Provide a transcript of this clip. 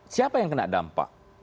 siapa yang kena dampak